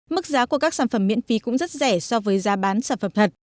mức giá của các sản phẩm miễn phí cũng rất rẻ so với giá bán sản phẩm thật